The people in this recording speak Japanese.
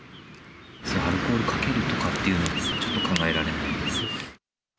アルコールかけるとかっていうのはちょっと考えられないですね。